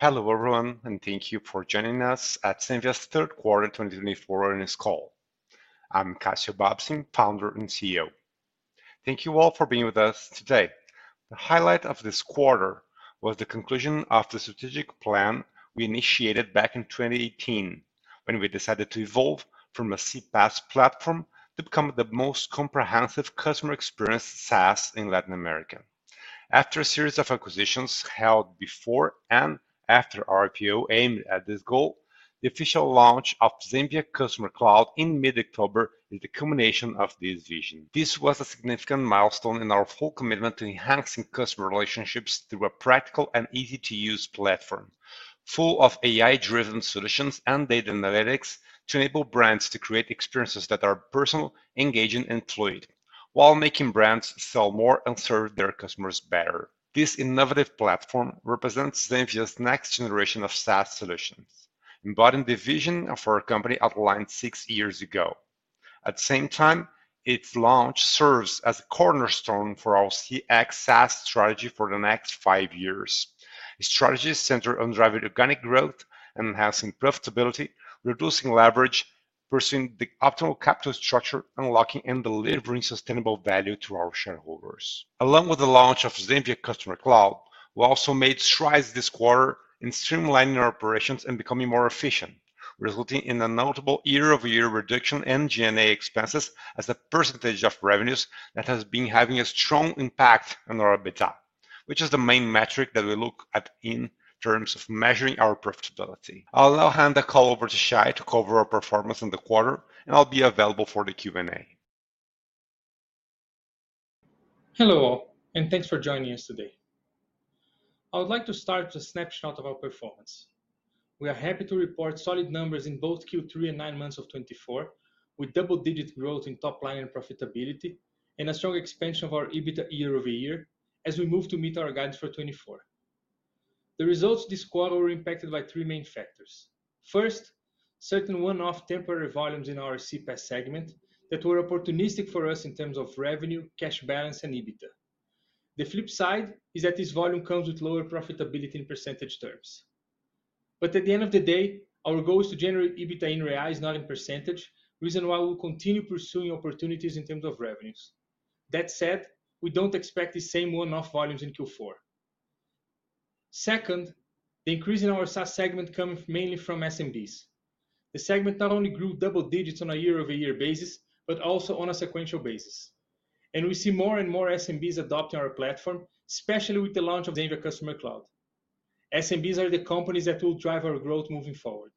Hello everyone, and thank you for joining us at Zenvia's Q3 2024 earnings call. I'm Cassio Bobsin, Founder and CEO. Thank you all for being with us today. The highlight of this quarter was the conclusion of the strategic plan we initiated back in 2018, when we decided to evolve from a CPaaS platform to become the most comprehensive customer experience SaaS in Latin America. After a series of acquisitions held before and after IPO aimed at this goal, the official launch of Zenvia Customer Cloud in mid-October is the culmination of this vision. This was a significant milestone in our full commitment to enhancing customer relationships through a practical and easy-to-use platform, full of AI-driven solutions and data analytics to enable brands to create experiences that are personal, engaging, and fluid, while making brands sell more and serve their customers better. This innovative platform represents Zenvia's next generation of SaaS solutions, embodying the vision of our company outlined six years ago. At the same time, its launch serves as a cornerstone for our CX SaaS strategy for the next five years. The strategy is centered on driving organic growth and enhancing profitability, reducing leverage, pursuing the optimal capital structure, unlocking, and delivering sustainable value to our shareholders. Along with the launch of Zenvia Customer Cloud, we also made strides this quarter in streamlining our operations and becoming more efficient, resulting in a notable year-over-year reduction in G&A expenses as a percentage of revenues that has been having a strong impact on our EBITDA, which is the main metric that we look at in terms of measuring our profitability. I'll now hand the call over to Shay to cover our performance in the quarter, and I'll be available for the Q&A. Hello all, and thanks for joining us today. I would like to start with a snapshot of our performance. We are happy to report solid numbers in both Q3 and nine months of 2024, with double-digit growth in top line and profitability, and a strong expansion of our EBITDA year-over-year as we move to meet our goals for 2024. The results this quarter were impacted by three main factors. First, certain one-off temporary volumes in our CPaaS segment that were opportunistic for us in terms of revenue, cash balance, and EBITDA. The flip side is that this volume comes with lower profitability in percentage terms. But at the end of the day, our goal is to generate EBITDA in reality, not in percentage, reason why we'll continue pursuing opportunities in terms of revenues. That said, we don't expect the same one-off volumes in Q4. Second, the increase in our SaaS segment comes mainly from SMBs. The segment not only grew double digits on a year-over-year basis, but also on a sequential basis. And we see more and more SMBs adopting our platform, especially with the launch of Zenvia Customer Cloud. SMBs are the companies that will drive our growth moving forward,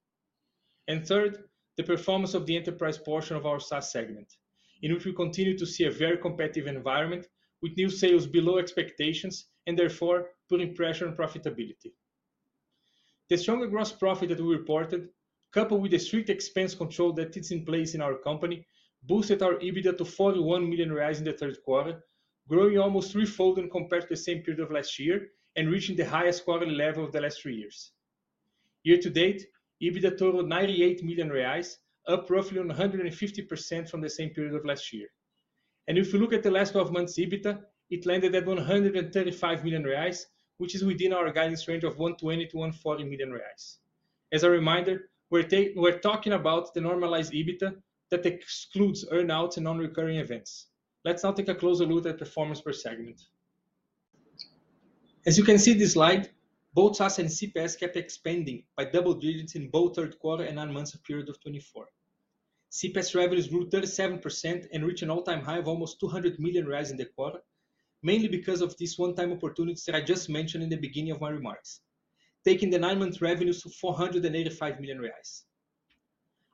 and third, the performance of the enterprise portion of our SaaS segment, in which we continue to see a very competitive environment with new sales below expectations and therefore putting pressure on profitability. The stronger gross profit that we reported, coupled with the strict expense control that is in place in our company, boosted our EBITDA to 41 million reais in the Q3, growing almost threefold when compared to the same period of last year and reaching the highest quarterly level of the last three years. Year to date, EBITDA totaled 98 million reais, up roughly 150% from the same period of last year. And if you look at the last 12 months' EBITDA, it landed at 135 million reais, which is within our guidance range of 120 million to 140 million reais. As a reminder, we're talking about the normalized EBITDA that excludes earnings and non-recurring events. Let's now take a closer look at performance per segment. As you can see in this slide, both SaaS and CPaaS kept expanding by double digits in both Q3 and nine months of the period of 2024. CPaaS revenues grew 37% and reached an all-time high of almost 200 million in the quarter, mainly because of these one-time opportunities that I just mentioned in the beginning of my remarks, taking the nine-month revenues to 485 million reais.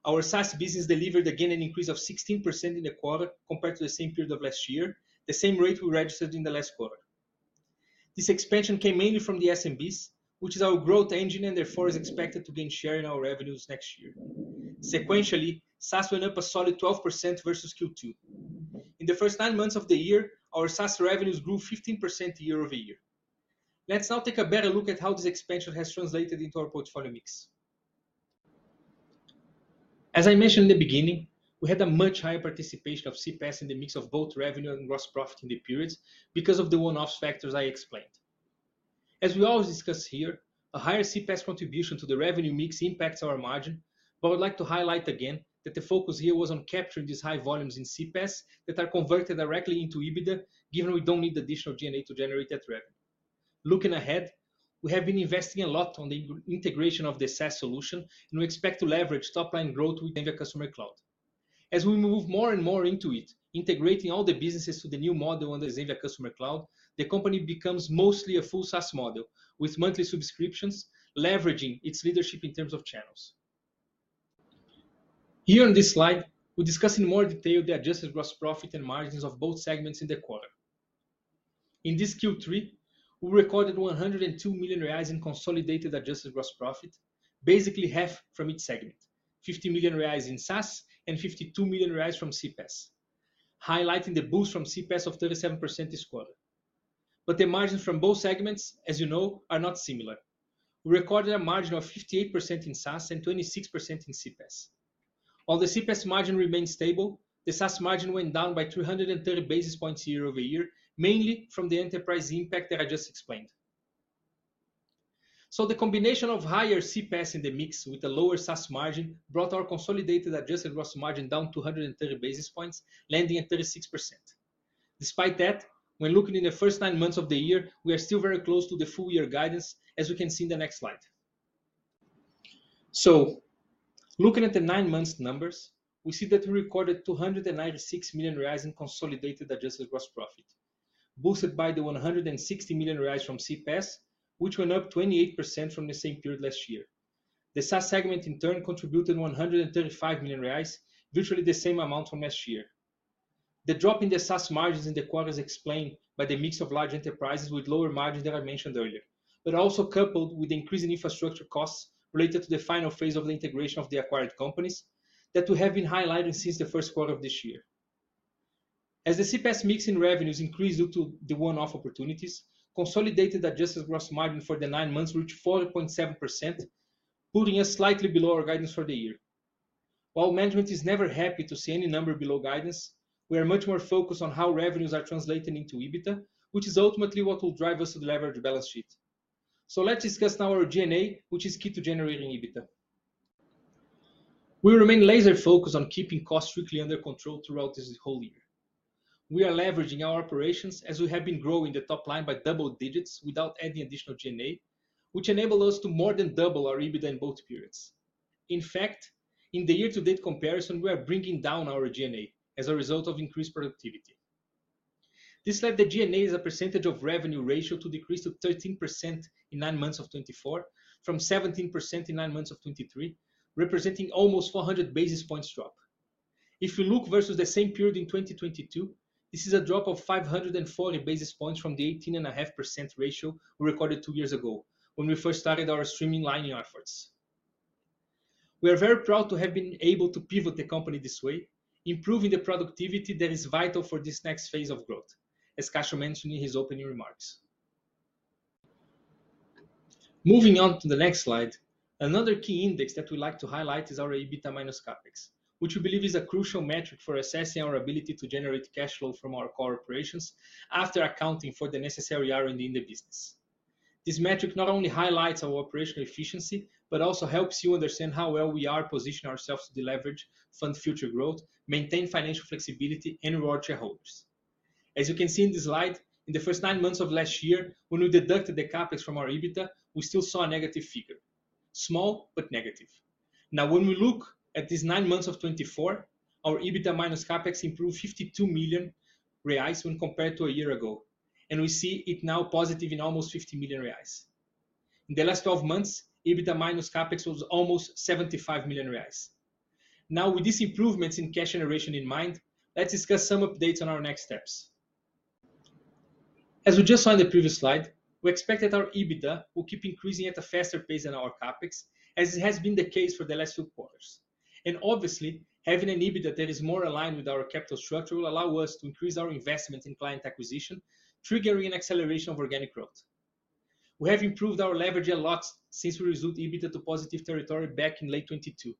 Our SaaS business delivered again an increase of 16% in the quarter compared to the same period of last year, the same rate we registered in the last quarter. This expansion came mainly from the SMBs, which is our growth engine and therefore is expected to gain share in our revenues next year. Sequentially, SaaS went up a solid 12% versus Q2. In the first nine months of the year, our SaaS revenues grew 15% year-over-year. Let's now take a better look at how this expansion has translated into our portfolio mix. As I mentioned in the beginning, we had a much higher participation of CPaaS in the mix of both revenue and gross profit in the periods because of the one-off factors I explained. As we always discuss here, a higher CPaaS contribution to the revenue mix impacts our margin, but I would like to highlight again that the focus here was on capturing these high volumes in CPaaS that are converted directly into EBITDA, given we don't need additional G&A to generate that revenue. Looking ahead, we have been investing a lot on the integration of the SaaS solution, and we expect to leverage top-line growth with Zenvia Customer Cloud. As we move more and more into it, integrating all the businesses to the new model under Zenvia Customer Cloud, the company becomes mostly a full SaaS model with monthly subscriptions, leveraging its leadership in terms of channels. Here on this slide, we're discussing in more detail the adjusted gross profit and margins of both segments in the quarter. In this Q3, we recorded 102 million reais in consolidated adjusted gross profit, basically half from each segment, 50 million reais in SaaS and 52 million reais from CPaaS, highlighting the boost from CPaaS of 37% this quarter. But the margins from both segments, as you know, are not similar. We recorded a margin of 58% in SaaS and 26% in CPaaS. While the CPaaS margin remained stable, the SaaS margin went down by 330 basis points year-over-year, mainly from the enterprise impact that I just explained. So the combination of higher CPaaS in the mix with the lower SaaS margin brought our consolidated adjusted gross margin down 230 basis points, landing at 36%. Despite that, when looking in the first nine months of the year, we are still very close to the full-year guidance, as we can see in the next slide. So looking at the nine-month numbers, we see that we recorded 296 million reais in consolidated adjusted gross profit, boosted by the 160 million reais from CPaaS, which went up 28% from the same period last year. The SaaS segment, in turn, contributed 135 million reais, virtually the same amount from last year. The drop in the SaaS margins in the quarter is explained by the mix of large enterprises with lower margins that I mentioned earlier, but also coupled with the increase in infrastructure costs related to the final phase of the integration of the acquired companies that we have been highlighting since the Q1 of this year. As the CPaaS mix in revenues increased due to the one-off opportunities, consolidated adjusted gross margin for the nine months reached 4.7%, putting us slightly below our guidance for the year. While management is never happy to see any number below guidance, we are much more focused on how revenues are translated into EBITDA, which is ultimately what will drive us to the leverage balance sheet. So let's discuss now our G&A, which is key to generating EBITDA. We remain laser-focused on keeping costs strictly under control throughout this whole year. We are leveraging our operations as we have been growing the top line by double digits without adding additional G&A, which enabled us to more than double our EBITDA in both periods. In fact, in the year-to-date comparison, we are bringing down our G&A as a result of increased productivity. This led the G&A as a percentage of revenue ratio to decrease to 13% in nine months of 2024, from 17% in nine months of 2023, representing almost 400 basis points drop. If you look versus the same period in 2022, this is a drop of 540 basis points from the 18.5% ratio we recorded two years ago when we first started our streamlining in our efforts. We are very proud to have been able to pivot the company this way, improving the productivity that is vital for this next phase of growth, as Cassio mentioned in his opening remarks. Moving on to the next slide, another key index that we like to highlight is our EBITDA minus CapEx, which we believe is a crucial metric for assessing our ability to generate cash flow from our core operations after accounting for the necessary R&D in the business. This metric not only highlights our operational efficiency, but also helps you understand how well we are positioning ourselves to leverage, fund future growth, maintain financial flexibility, and reward shareholders. As you can see in this slide, in the first nine months of last year, when we deducted the CapEx from our EBITDA, we still saw a negative figure, small but negative. Now, when we look at these nine months of 2024, our EBITDA minus CapEx improved 52 million reais when compared to a year ago, and we see it now positive in almost 50 million reais. In the last 12 months, EBITDA minus CapEx was almost 75 million reais. Now, with these improvements in cash generation in mind, let's discuss some updates on our next steps. As we just saw in the previous slide, we expect that our EBITDA will keep increasing at a faster pace than our CapEx, as it has been the case for the last few quarters. Obviously, having an EBITDA that is more aligned with our capital structure will allow us to increase our investment in client acquisition, triggering an acceleration of organic growth. We have improved our leverage a lot since we resolved EBITDA to positive territory back in late 2022.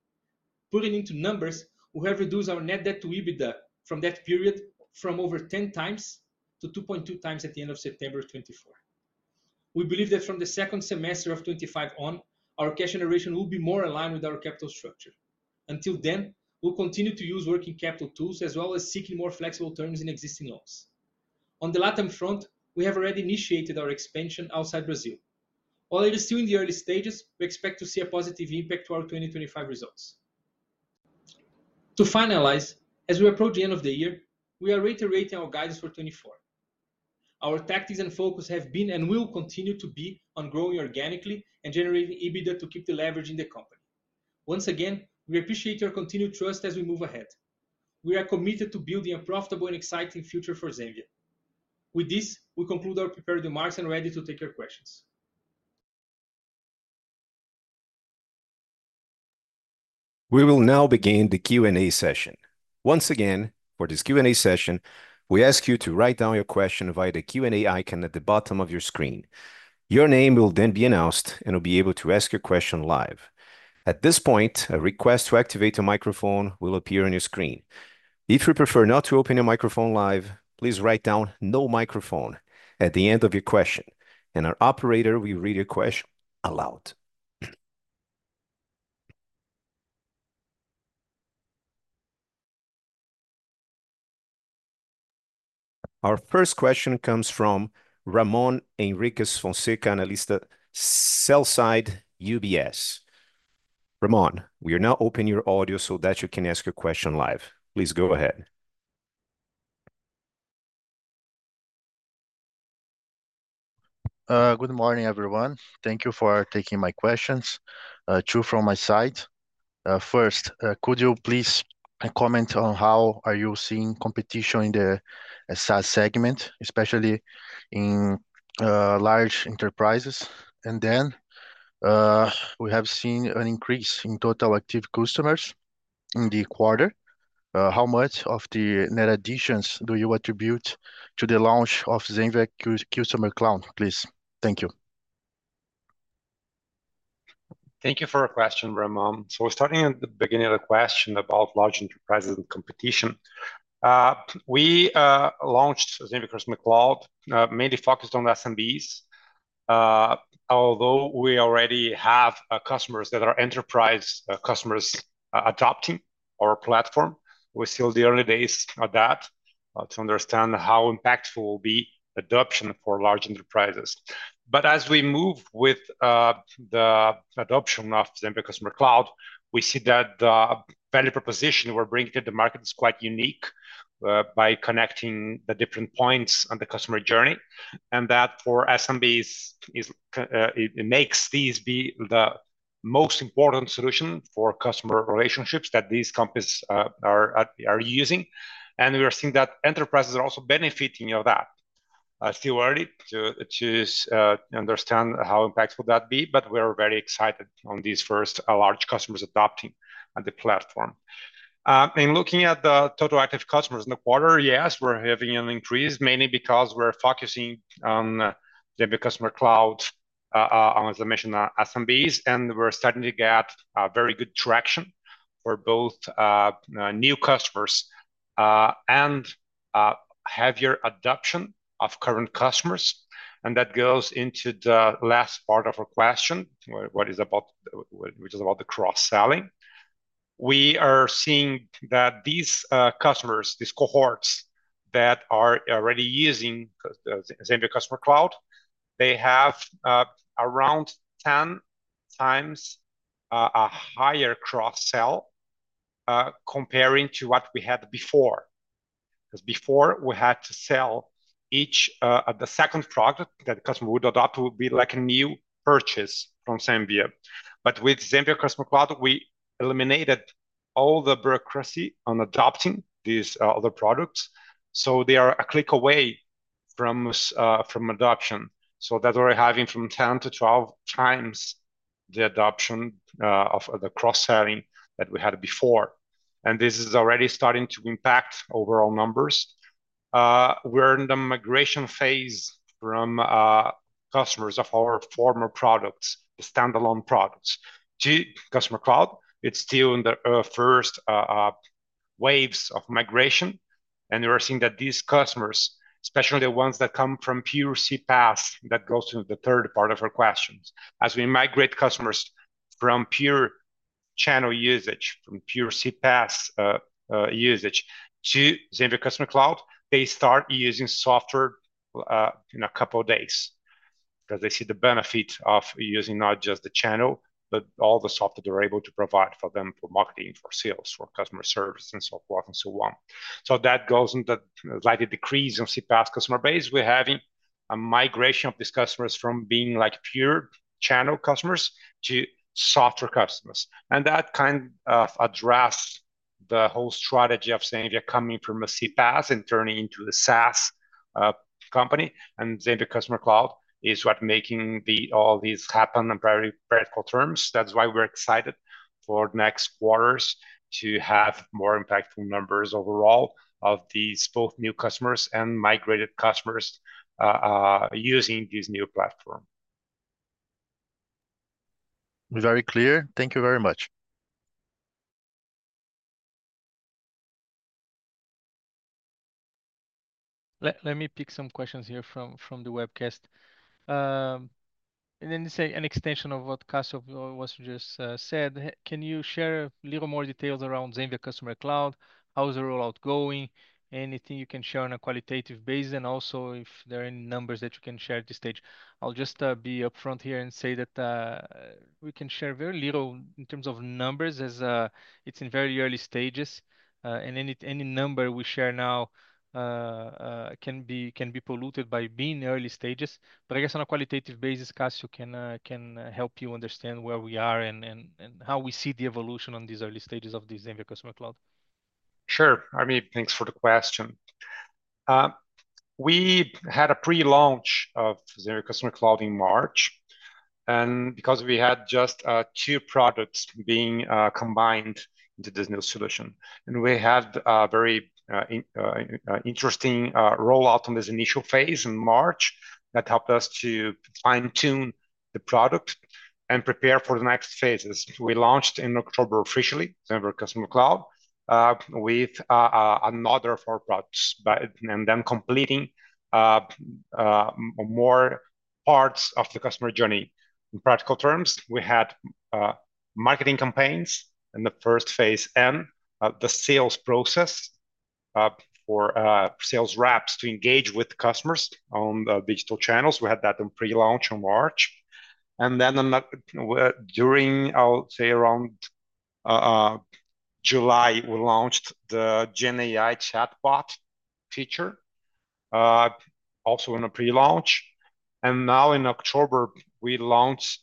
Putting into numbers, we have reduced our net debt to EBITDA from that period from over 10x to 2.2x at the end of September 2024. We believe that from the second semester of 2025 on, our cash generation will be more aligned with our capital structure. Until then, we'll continue to use working capital tools as well as seeking more flexible terms in existing loans. On the long-term front, we have already initiated our expansion outside Brazil. While it is still in the early stages, we expect to see a positive impact to our 2025 results. To finalize, as we approach the end of the year, we are reiterating our guidance for 2024. Our tactics and focus have been and will continue to be on growing organically and generating EBITDA to keep the leverage in the company. Once again, we appreciate your continued trust as we move ahead. We are committed to building a profitable and exciting future for Zenvia. With this, we conclude our prepared remarks and are ready to take your questions. We will now begin the Q&A session. Once again, for this Q&A session, we ask you to write down your question via the Q&A icon at the bottom of your screen. Your name will then be announced, and you'll be able to ask your question live. At this point, a request to activate a microphone will appear on your screen. If you prefer not to open your microphone live, please write down "No microphone" at the end of your question, and our operator will read your question aloud. Our first question comes from Ramon Henriques Fonseca, Analyst at Sell-side UBS. Ramon, we are now opening your audio so that you can ask your question live. Please go ahead. Good morning, everyone. Thank you for taking my questions. Two from my side. First, could you please comment on how you are seeing competition in the SaaS segment, especially in large enterprises? And then we have seen an increase in total active customers in the quarter. How much of the net additions do you attribute to the launch of Zenvia Customer Cloud, please? Thank you. Thank you for your question, Ramon. So starting at the beginning of the question about large enterprises and competition, we launched Zenvia Customer Cloud mainly focused on SMBs. Although we already have customers that are enterprise customers adopting our platform, we're still in the early days of that to understand how impactful will be adoption for large enterprises. But as we move with the adoption of Zenvia Customer Cloud, we see that the value proposition we're bringing to the market is quite unique by connecting the different points on the customer journey. And that for SMBs, it makes these be the most important solution for customer relationships that these companies are using. And we are seeing that enterprises are also benefiting of that. It's too early to understand how impactful that will be, but we are very excited on these first large customers adopting the platform. Looking at the total active customers in the quarter, yes, we're having an increase, mainly because we're focusing on Zenvia Customer Cloud, as I mentioned, SMBs, and we're starting to get very good traction for both new customers and heavier adoption of current customers. That goes into the last part of our question, which is about the cross-selling. We are seeing that these customers, these cohorts that are already using Zenvia Customer Cloud, they have around 10x a higher cross-sell comparing to what we had before. Because before, we had to sell each of the second product that the customer would adopt would be like a new purchase from Zenvia. But with Zenvia Customer Cloud, we eliminated all the bureaucracy on adopting these other products. So they are a click away from adoption. So that we're having 10x-12x the adoption of the cross-selling that we had before. And this is already starting to impact overall numbers. We're in the migration phase from customers of our former products, the standalone products, to Customer Cloud. It's still in the first waves of migration. And we're seeing that these customers, especially the ones that come from pure CPaaS, that goes to the third part of our questions. As we migrate customers from pure channel usage, from pure CPaaS usage to Zenvia Customer Cloud, they start using software in a couple of days because they see the benefit of using not just the channel, but all the software they're able to provide for them for marketing, for sales, for customer service, and so forth and so on. So that goes into the slight decrease in CPaaS customer base. We're having a migration of these customers from being like pure channel customers to software customers. And that kind of addressed the whole strategy of Zenvia coming from a CPaaS and turning into a SaaS company. And Zenvia Customer Cloud is what's making all these happen in very practical terms. That's why we're excited for the next quarters to have more impactful numbers overall of these both new customers and migrated customers using this new platform. Very clear. Thank you very much. Let me pick some questions here from the webcast. And then it's an extension of what Cassio was just said. Can you share a little more details around Zenvia Customer Cloud? How is the rollout going? Anything you can share on a qualitative basis? And also, if there are any numbers that you can share at this stage, I'll just be upfront here and say that we can share very little in terms of numbers as it's in very early stages. And any number we share now can be polluted by being early stages. But I guess on a qualitative basis, Cassio can help you understand where we are and how we see the evolution on these early stages of the Zenvia Customer Cloud. Sure. I mean, thanks for the question. We had a pre-launch of Zenvia Customer Cloud in March. And because we had just two products being combined into this new solution, and we had a very interesting rollout on this initial phase in March that helped us to fine-tune the product and prepare for the next phases. We launched in October officially Zenvia Customer Cloud with another of our products and then completing more parts of the customer journey. In practical terms, we had marketing campaigns in the first phase and the sales process for sales reps to engage with customers on digital channels. We had that in pre-launch in March. And then during I'll say around July, we launched the GenAI chatbot feature also in a pre-launch. And now in October, we launched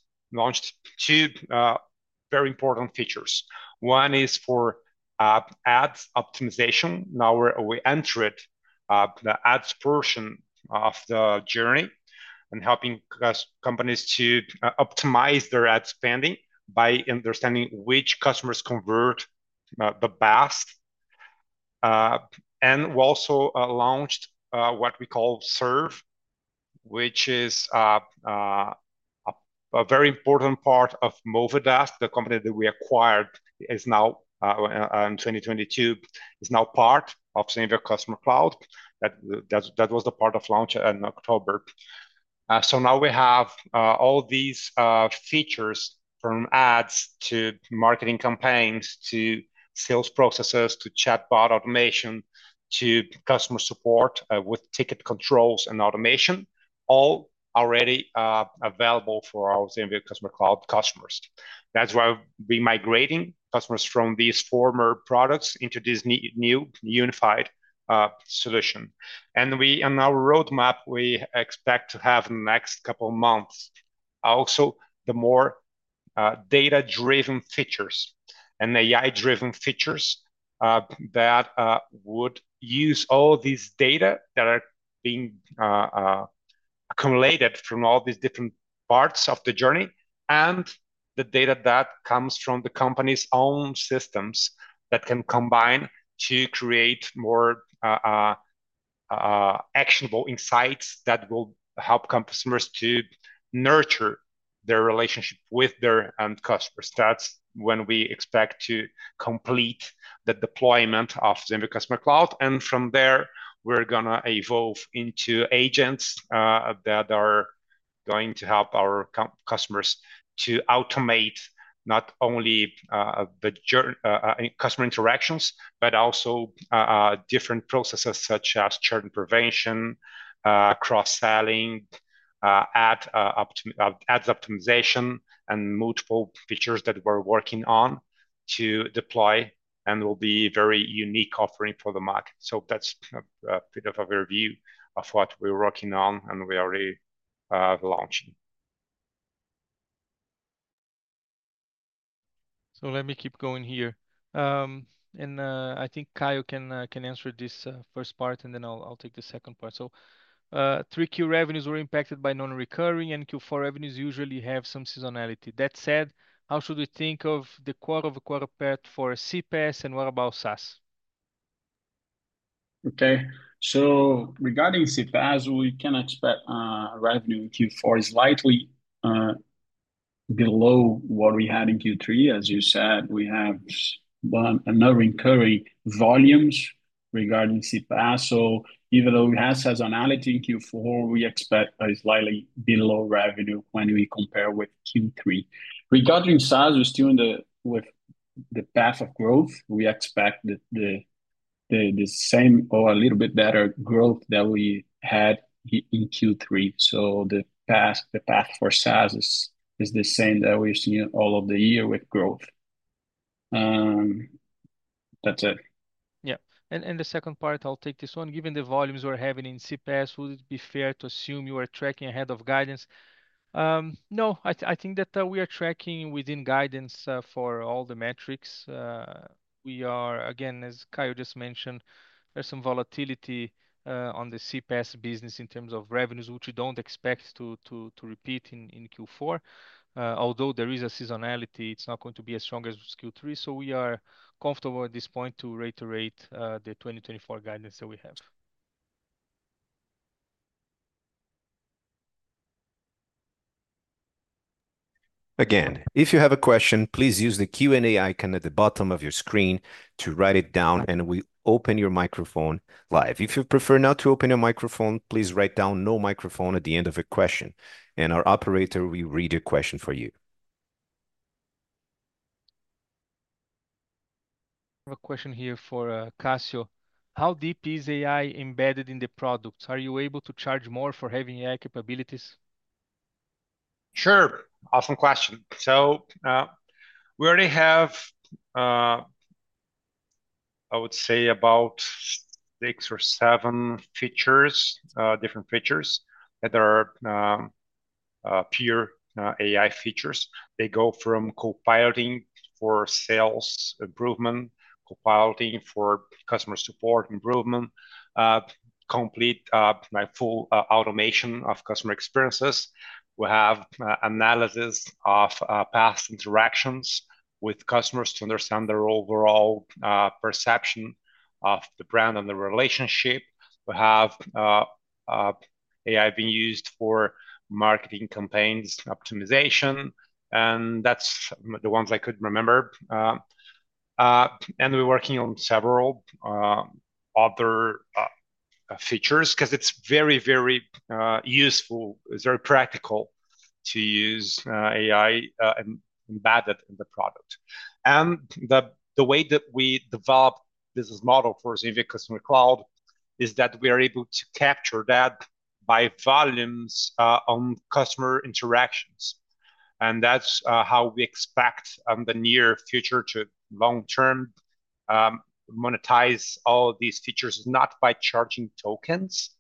two very important features. One is for ads optimization. Now we entered the ads portion of the journey and helping companies to optimize their ad spending by understanding which customers convert the best, and we also launched what we call SERV, which is a very important part of Movidesk. The company that we acquired in 2022 is now part of Zenvia Customer Cloud. That was part of the launch in October, so now we have all these features from ads to marketing campaigns to sales processes to chatbot automation to customer support with ticket controls and automation, all already available for our Zenvia Customer Cloud customers. That's why we're migrating customers from these former products into this new unified solution. And now, roadmap we expect to have in the next couple of months also the more data-driven features and AI-driven features that would use all this data that are being accumulated from all these different parts of the journey and the data that comes from the company's own systems that can combine to create more actionable insights that will help customers to nurture their relationship with their end customers. That's when we expect to complete the deployment of Zenvia Customer Cloud. And from there, we're going to evolve into agents that are going to help our customers to automate not only customer interactions, but also different processes such as churn prevention, cross-selling, ads optimization, and multiple features that we're working on to deploy and will be a very unique offering for the market. So that's a bit of a review of what we're working on and we are already launching. So let me keep going here. And I think Caio can answer this first part, and then I'll take the second part. So Q3 revenues were impacted by non-recurring, and Q4 revenues usually have some seasonality. That said, how should we think of the quarter-over-quarter path for CPaaS, and what about SaaS? Okay, so regarding CPaaS, we can expect revenue in Q4 is slightly below what we had in Q3. As you said, we have another recurring volumes regarding CPaaS. So even though we have seasonality in Q4, we expect a slightly below revenue when we compare with Q3. Regarding SaaS, we're still in the path of growth. We expect the same or a little bit better growth than we had in Q3. So the path for SaaS is the same that we've seen all of the year with growth. That's it. Yeah, and the second part, I'll take this one. Given the volumes we're having in CPaaS, would it be fair to assume you are tracking ahead of guidance? No, I think that we are tracking within guidance for all the metrics. We are, again, as Caio just mentioned, there's some volatility on the CPaaS business in terms of revenues, which we don't expect to repeat in Q4. Although there is a seasonality, it's not going to be as strong as Q3. So we are comfortable at this point to reiterate the 2024 guidance that we have. Again, if you have a question, please use the Q&A icon at the bottom of your screen to write it down, and we open your microphone live. If you prefer not to open your microphone, please write down no microphone at the end of a question. Our operator will read your question for you. Question here for Cassio. How deep is AI embedded in the products? Are you able to charge more for having AI capabilities? Sure. Awesome question, so we already have, I would say, about six or seven different features that are pure AI features. They go from copiloting for sales improvement, copiloting for customer support improvement, complete full automation of customer experiences. We have analysis of past interactions with customers to understand their overall perception of the brand and the relationship. We have AI being used for marketing campaigns and optimization. And that's the ones I could remember. And we're working on several other features because it's very, very useful. It's very practical to use AI embedded in the product. And the way that we developed this model for Zenvia Customer Cloud is that we are able to capture that by volumes on customer interactions. And that's how we expect in the near future to long-term monetize all these features, not by charging tokens,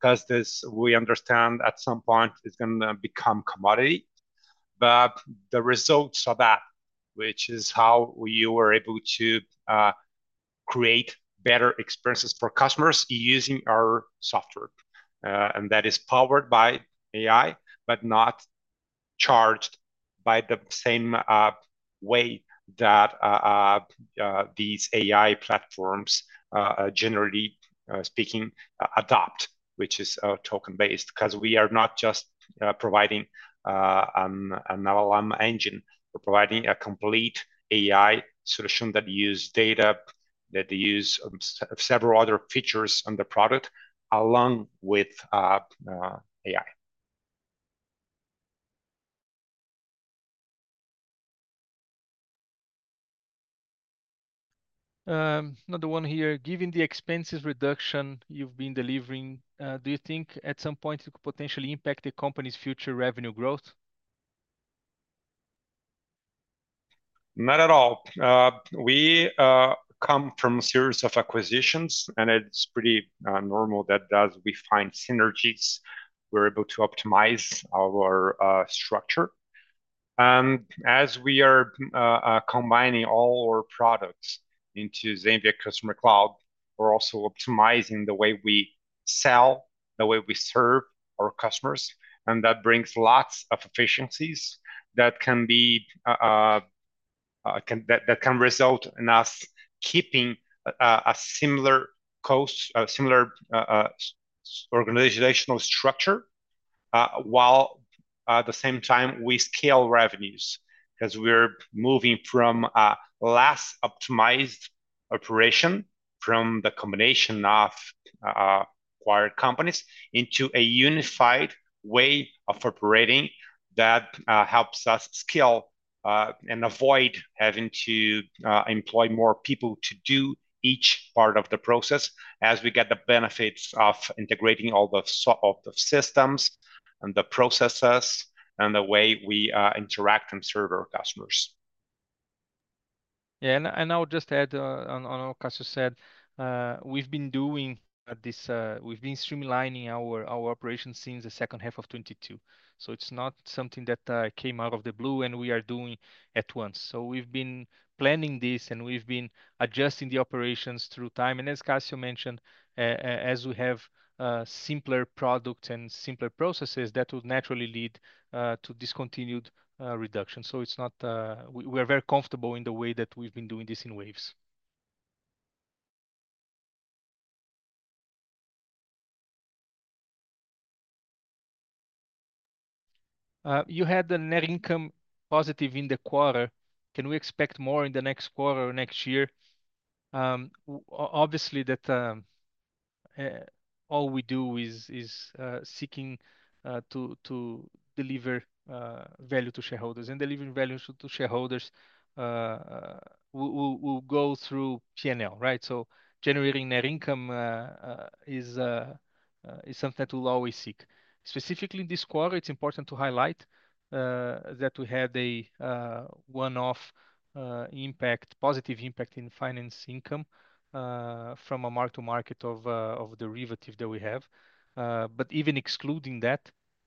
because we understand at some point it's going to become commodity. But the results of that, which is how you are able to create better experiences for customers using our software, and that is powered by AI, but not charged by the same way that these AI platforms, generally speaking, adopt, which is token-based, because we are not just providing an LLM engine. We're providing a complete AI solution that uses data, that uses several other features on the product along with AI. Another one here. Given the expenses reduction you've been delivering, do you think at some point it could potentially impact the company's future revenue growth? Not at all. We come from a series of acquisitions, and it's pretty normal that as we find synergies, we're able to optimize our structure. And as we are combining all our products into Zenvia Customer Cloud, we're also optimizing the way we sell, the way we serve our customers. And that brings lots of efficiencies that can result in us keeping a similar organizational structure while at the same time we scale revenues because we're moving from a less optimized operation from the combination of acquired companies into a unified way of operating that helps us scale and avoid having to employ more people to do each part of the process as we get the benefits of integrating all the systems and the processes and the way we interact and serve our customers. Yeah. And I'll just add on what Cassio said. We've been doing this. We've been streamlining our operations since the second half of 2022. So it's not something that came out of the blue and we are doing at once. So we've been planning this and we've been adjusting the operations over time. And as Cassio mentioned, as we have simpler products and simpler processes, that would naturally lead to cost reduction. So we are very comfortable in the way that we've been doing this in waves. You had a net income positive in the quarter. Can we expect more in the next quarter or next year? Obviously, all we do is seeking to deliver value to shareholders. And delivering value to shareholders, we'll go through P&L, right? So generating net income is something that we'll always seek. Specifically this quarter, it's important to highlight that we had a one-off positive impact in finance income from a mark-to-market of the derivative that we have, but even excluding that,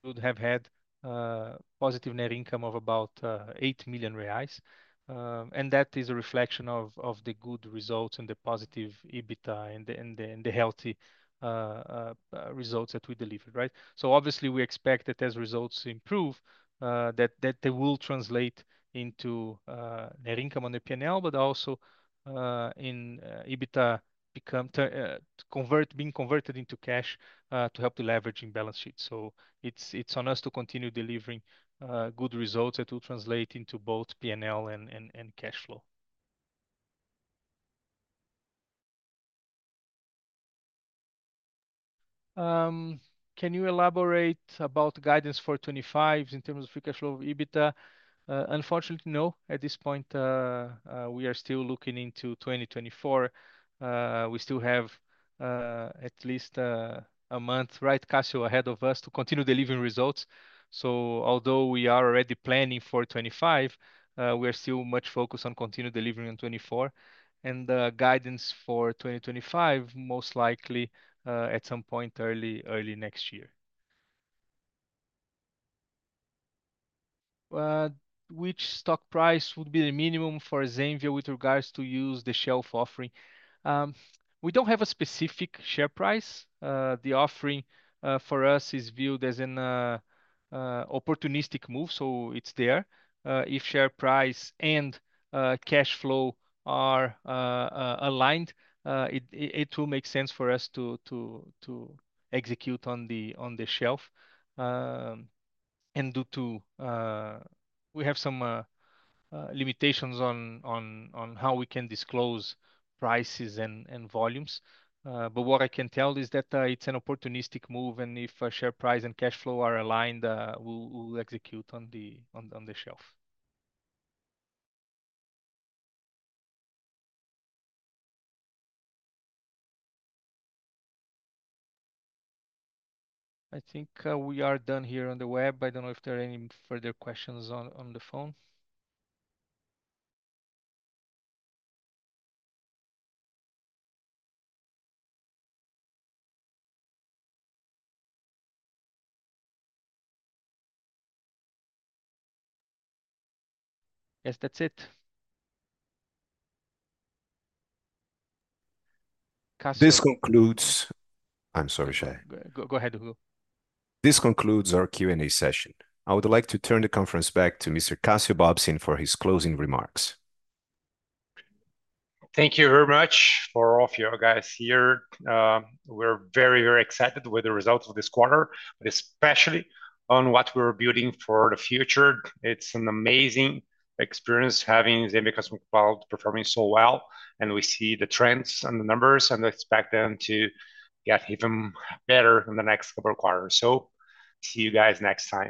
we would have had positive net income of about 8 million reais, and that is a reflection of the good results and the positive EBITDA and the healthy results that we delivered, right, so obviously, we expect that as results improve, that they will translate into net income on the P&L, but also in EBITDA being converted into cash to help the leverage in balance sheet, so it's on us to continue delivering good results that will translate into both P&L and cash flow. Can you elaborate about guidance for 2025 in terms of free cash flow of EBITDA? Unfortunately, no. At this point, we are still looking into 2024. We still have at least a month, right, Cassio, ahead of us to continue delivering results so although we are already planning for 2025, we are still much focused on continuing delivering in 2024 and guidance for 2025 most likely at some point early next year. Which stock price would be the minimum for Zenvia with regards to use the shelf offering? We don't have a specific share price. The offering for us is viewed as an opportunistic move, so it's there. If share price and cash flow are aligned, it will make sense for us to execute on the shelf and we have some limitations on how we can disclose prices and volumes but what I can tell is that it's an opportunistic move, and if share price and cash flow are aligned, we'll execute on the shelf. I think we are done here on the web. I don't know if there are any further questions on the phone. Yes, that's it. This concludes our Q&A session. I would like to turn the conference back to Mr. Cassio Bobsin for his closing remarks. Thank you very much for all of you guys here. We're very, very excited with the results of this quarter, especially on what we're building for the future. It's an amazing experience having Zenvia Customer Cloud performing so well, and we see the trends and the numbers, and we expect them to get even better in the next couple of quarters, so see you guys next time.